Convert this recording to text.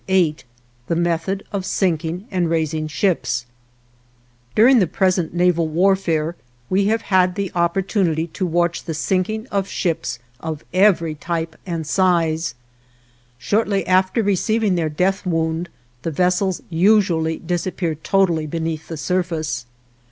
VIII THE METHOD OF SINKING AND RAISING SHIPS During the present naval warfare we have had the opportunity to watch the sinking of ships of every type and size; shortly after receiving their death wound the vessels usually disappear totally beneath the surface.